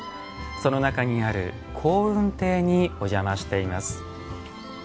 その中にある香雲亭にお邪魔しています。